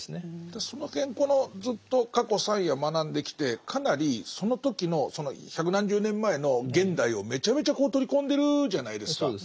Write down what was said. その辺このずっと過去３夜学んできてかなりその時のその百何十年前の現代をめちゃめちゃ取り込んでるじゃないですか。